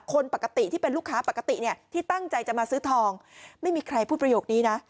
คนปกติที่เป็นลูกค้าปกติเนี่ยที่ตั้งใจจะมาซื้อทองไม่มีใครพูดประโยคนี้นะ